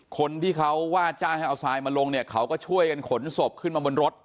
คนที่เขาว่าจ้างให้เอาทรายมาลงเนี่ยเขาก็ช่วยกันขนศพขึ้นมาบนรถ